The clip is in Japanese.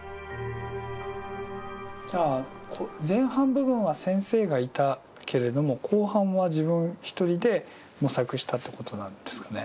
じゃあ前半部分は先生がいたけれども後半は自分一人で模索したってことなんですかね。